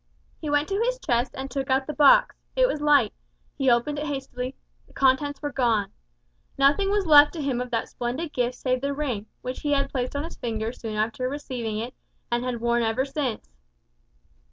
He went to his chest and took out the box it was light he opened it hastily the contents were gone! Nothing was left to him of that splendid gift save the ring, which he had placed on his finger soon after receiving it, and had worn ever since.